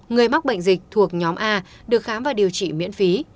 người mắc bệnh dịch thuộc nhóm a được khám và điều trị miễn phí